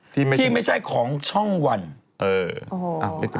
ที่ไม่ใช่ของวัญ